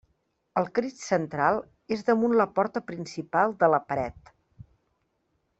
El Crist central és damunt la porta principal de la paret.